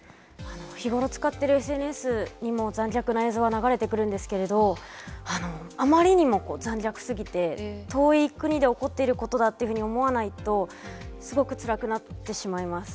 日頃、使っているＳＮＳにも、残虐な映像が流れてくるんですけれども、あまりにも残虐すぎて、遠い国で起こっていることだっていうふうに思わないと、すごくつらくなってしまいます。